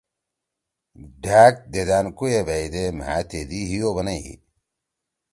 ڈھأک دھیدأنکو ئے بھیئیدے مھأ تیدی ہیِو بنَئی: